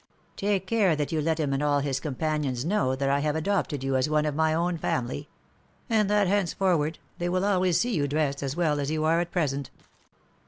Take care that you let him and all his companions know that I have adopted you as one of my own family ; and that henceforward, they will always see you dressed as well as you are at present."